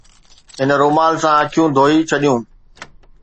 هن رومال سان اکيون ڌوئي ڇڏيون.